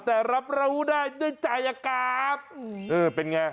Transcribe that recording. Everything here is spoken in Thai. เพราะว่า